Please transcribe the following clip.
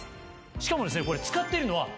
しかもですね。